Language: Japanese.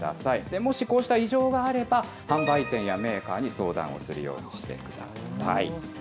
もしこうした異常があれば、販売店やメーカーに相談をするようにしてください。